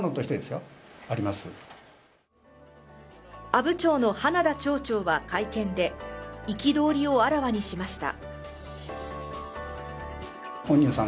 阿武町の花田町長は会見で憤りをあらわにしました。